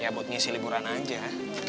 ya buat ngisi liburan aja